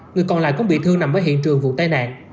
người còn lại cũng bị thương nằm ở hiện trường vụ tai nạn